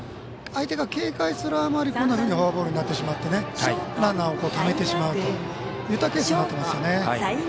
相手が警戒するあまりこんなふうにフォアボールになってしまってランナーをためてしまうというケースになってますよね。